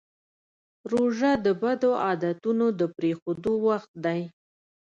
روژه د بدو عادتونو د پرېښودو وخت دی.